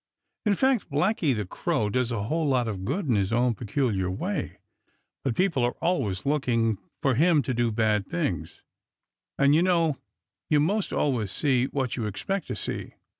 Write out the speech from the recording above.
In fact, Blacky the Crow does a whole lot of good in his own peculiar way, but people are always looking for him to do bad things, and you know you most always see what you expect to see.